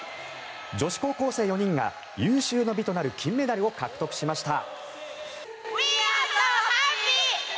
女子高校生４人が有終の美となる金メダルを獲得しました。